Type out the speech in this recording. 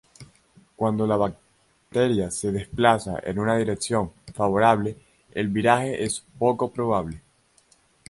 Cuando la bacteria se desplaza en una dirección favorable el viraje es poco probable.